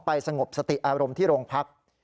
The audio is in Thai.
ไปสงบสติอารมณ์ที่โรงพรรค